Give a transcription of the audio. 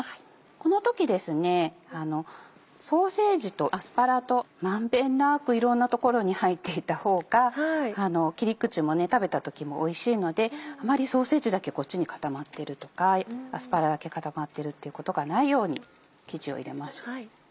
この時ですねソーセージとアスパラと満遍なくいろんな所に入っていた方が切り口も食べた時もおいしいのであまりソーセージだけこっちに固まってるとかアスパラだけ固まってるっていうことがないように生地を入れましょう。